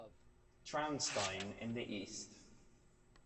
Traunstein in the east.